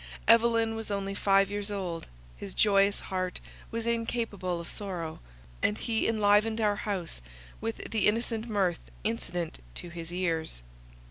Evelyn was only five years old; his joyous heart was incapable of sorrow, and he enlivened our house with the innocent mirth incident to his years.